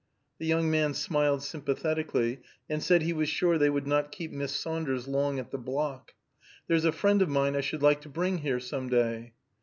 The young man smiled sympathetically, and said he was sure they would not keep Miss Saunders long at the block. "There's a friend of mine I should like to bring here, some day."